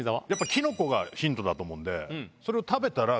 キノコがヒントだと思うんで。